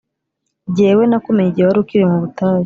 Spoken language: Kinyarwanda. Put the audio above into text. Jyewe nakumenye igihe wari ukiri mu butayu,